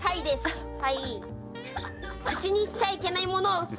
口にしちゃいけないものをううっ。